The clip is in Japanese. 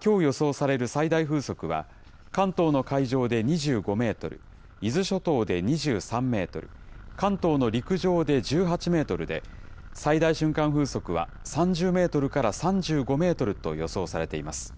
きょう予想される最大風速は、関東の海上で２５メートル、伊豆諸島で２３メートル、関東の陸上で１８メートルで、最大瞬間風速は３０メートルから３５メートルと予想されています。